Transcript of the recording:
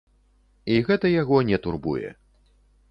І гэта яго не турбуе.